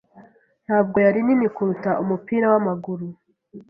Ntabwo yari nini kuruta umupira wamaguru.